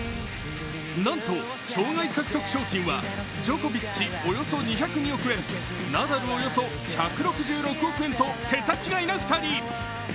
なんと生涯獲得賞金はジョコビッチ、およそ２０２億円ナダル、およそ１６６億円と桁違いな２人。